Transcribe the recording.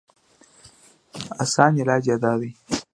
اسان علاج ئې دا دی